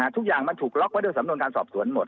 ทุกอย่างมันถูกล็อกไว้ด้วยสำนวนการสอบสวนหมด